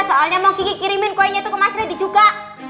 soalnya mau kirimin kuenya itu ke mas redi juga